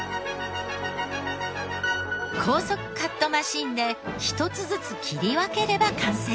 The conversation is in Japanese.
高速カットマシンで一つずつ切り分ければ完成。